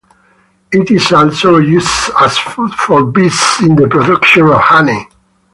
It is also used as food for bees in the production of honey.